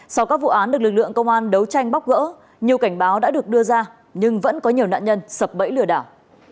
sau các vụ án được lực lượng công an đấu tranh bóc gỡ nhiều cảnh báo đã được đưa ra nhưng vẫn có nhiều nạn nhân sập bẫy lừa đảo